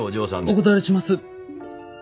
お断りします。